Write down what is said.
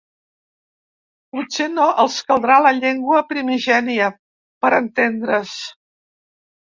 Potser no els caldrà la llengua primigènia, per entendre's.